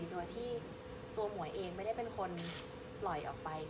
โดยที่ตัวหมวยเองไม่ได้เป็นคนปล่อยออกไป